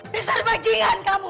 bisa dibajingan kamu